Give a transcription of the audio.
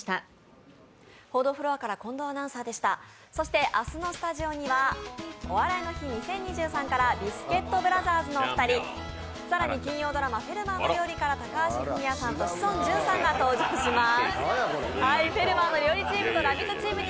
そして明日のスタジオには「お笑いの日２０２３」からビスケットブラザーズのお二人、更に金曜ドラマ、「フェルマーの料理」から高橋文哉さんと志尊淳さんが登場します。